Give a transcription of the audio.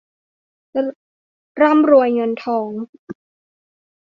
ร่ำรวยเงินทอง